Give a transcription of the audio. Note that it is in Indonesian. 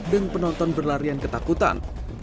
dan penonton berlarian ketakutan